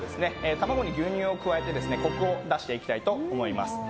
卵に牛乳を加えてコクを出していきたいと思います。